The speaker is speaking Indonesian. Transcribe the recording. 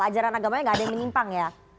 ajaran agamanya gak ada yang menyimpang ya